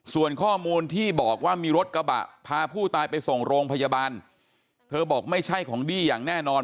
ส่วนข้อมูลที่บอกว่ามีรถกระบะพาผู้ตายไปส่งโรงพยาบาลเธอบอกไม่ใช่ของดี้อย่างแน่นอน